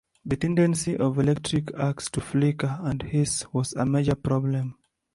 The tendency of electric arcs to flicker and hiss was a major problem.